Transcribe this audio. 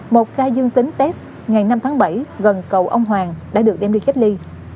một khai dương tính test ngày năm tháng bảy gần cầu ông hoàng đã được đem đi khép ly